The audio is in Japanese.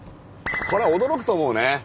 これは驚くと思うね。